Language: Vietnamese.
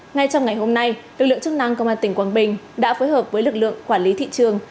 ngay trong ngày hôm nay lực lượng chức năng công an tỉnh quảng bình đã phối hợp với lực lượng quản lý thị trường